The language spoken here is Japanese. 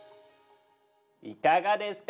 いかがですか？